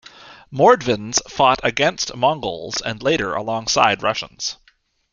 Mordvins fought against Mongols and later alongside Russians.